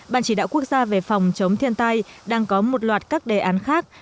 ban chỉ đạo quốc gia về phòng chống thiên tai đang có một loạt các đề án khác